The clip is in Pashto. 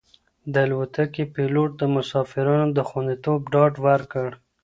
د الوتکې پېلوټ د مسافرانو د خوندیتوب ډاډ ورکړ.